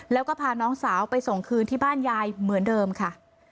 แล้วก็พาน้องสาวไปส่งคืนที่บ้านยายเหมือนเดิมค่ะ